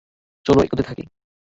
চলো, এগুতে থাকি!